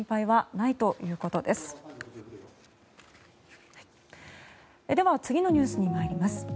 では、次のニュースに参ります。